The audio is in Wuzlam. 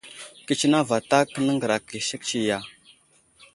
Kətsineŋ vatak nəŋgəraka i sek tsiyo ya ?